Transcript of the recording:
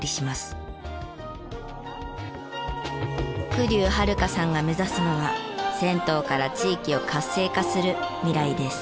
栗生はるかさんが目指すのは銭湯から地域を活性化する未来です。